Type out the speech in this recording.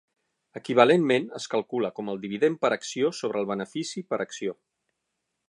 Equivalentment es calcula com el dividend per acció sobre el benefici per acció.